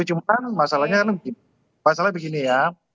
cuman masalahnya begini ya